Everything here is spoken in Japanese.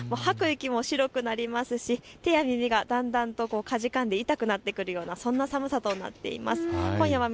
吐く息も白くなりますし手や耳がだんだんとかじかんで痛くなってくるようなそんな寒さとなっています。